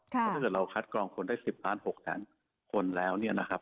เพราะถ้าเกิดเราคัดกรองคนได้๑๐ล้าน๖แสนคนแล้วเนี่ยนะครับ